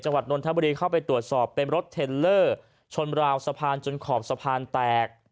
นนทบุรีเข้าไปตรวจสอบเป็นรถเทลเลอร์ชนราวสะพานจนขอบสะพานแตก